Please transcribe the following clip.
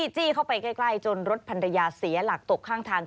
จี้เข้าไปใกล้จนรถพันรยาเสียหลักตกข้างทาง